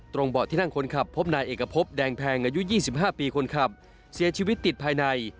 เบาะที่นั่งคนขับพบนายเอกพบแดงแพงอายุ๒๕ปีคนขับเสียชีวิตติดภายใน